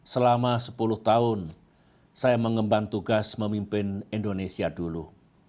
selama sepuluh tahun saya mengemban tugas memimpin indonesia dulu